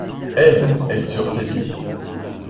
Elles, elles eurent aimé.